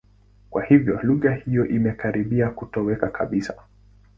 Kwa hiyo, lugha hiyo imekaribia kutoweka kabisa.